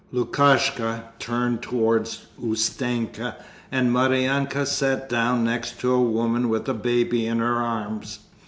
Lukashka turned towards Ustenka, and Maryanka sat down next to a woman with a baby in her arms.